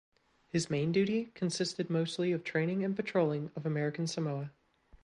His main duty consisted mostly of training and patrolling of American Samoa.